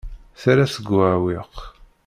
Terra-t deg uɛewwiq.